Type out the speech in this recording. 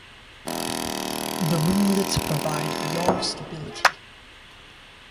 The winglets provide yaw stability.